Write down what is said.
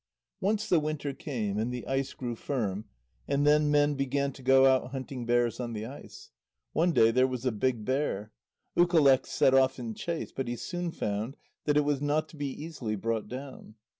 Once the winter came, and the ice grew firm, and then men began to go out hunting bears on the ice. One day there was a big bear. Ukaleq set off in chase, but he soon found that it was not to be easily brought down.